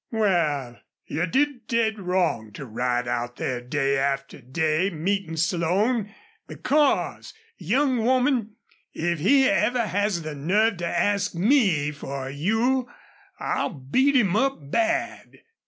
"Wal, you did dead wrong to ride out there day after day meetin' Slone, because young woman if he ever has the nerve to ask me for you I'll beat him up bad."